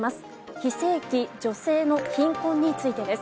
非正規女性の貧困についてです。